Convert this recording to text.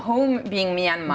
home being myanmar